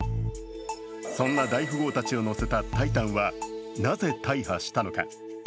そんな大富豪たちを乗せた「タイタン」はなぜ大破したのか。